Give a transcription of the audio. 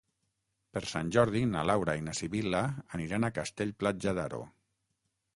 Per Sant Jordi na Laura i na Sibil·la aniran a Castell-Platja d'Aro.